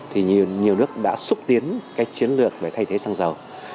thì nhiều nước đã xúc tiến cái chiến lược về thay thế xăng dầu